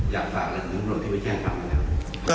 อยากฝากตำรวจที่วิทยาลัยศาสตร์ครับ